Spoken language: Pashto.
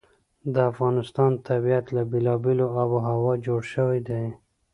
د افغانستان طبیعت له بېلابېلې آب وهوا جوړ شوی دی.